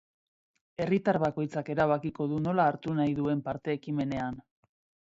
Herritar bakoitzak erabakiko du nola hartu nahi duen parte ekimenean.